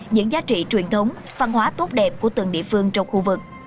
những giá trị truyền thống văn hóa tốt đẹp của từng địa phương trong khu vực